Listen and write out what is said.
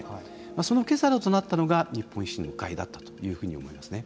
その受け皿となったのが日本維新の会だったというふうに思いますね。